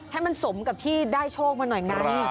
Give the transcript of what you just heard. ให้มันสมกับที่ได้โชคมาหน่อยไง